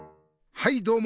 はいどうも！